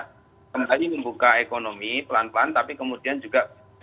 kembali membuka ekonomi pelan pelan tapi kemudian juga